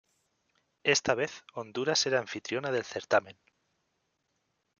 Esta vez Honduras era anfitriona del certamen.